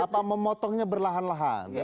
apa memotongnya berlahan lahan